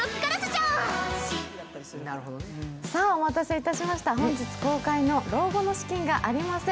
お待たせいたしました、本日公開の「老後の資金がありません！」